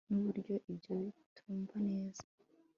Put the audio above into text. nuburyo ibyo bitumva neza